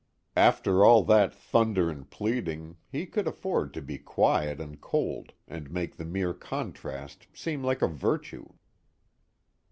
After all that thunder and pleading, he could afford to be quiet and cold, and make the mere contrast seem like a virtue.